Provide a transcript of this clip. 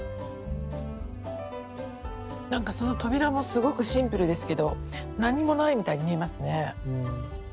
何かその扉もすごくシンプルですけど何もないみたいに見えますね。